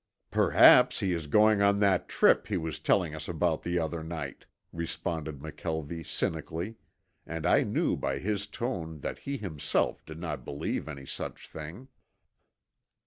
"Perhaps he is going on that trip he was telling us about the other night," responded McKelvie cynically, and I knew by his tone that he himself did not believe any such thing.